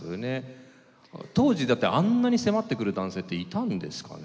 当時だってあんなに迫ってくる男性っていたんですかね？